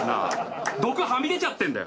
毒はみ出ちゃってんだよ！